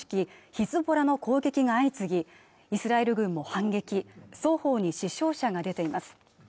ヒズボラの攻撃が相次ぎイスラエル軍も反撃双方に死傷者が出ています